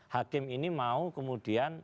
hakim ini mau kemudian